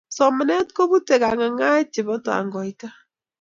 somanet koputei kangangaet chepo tangoita